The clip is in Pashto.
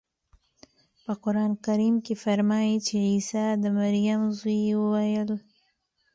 په قرانکریم کې فرمایي چې عیسی د مریم زوی وویل.